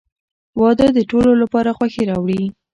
• واده د ټولو لپاره خوښي راوړي.